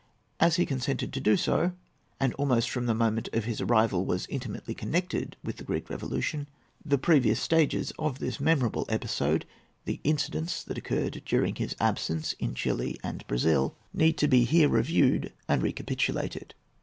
As he consented to do so, and almost from the moment of his arrival was intimately connected with the Greek Revolution, the previous stages of this memorable episode, the incidents that occurred during his absence in Chili and Brazil, need to be here reviewed and recapitulated.